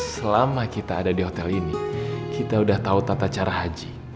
selama kita ada di hotel ini kita sudah tahu tata cara haji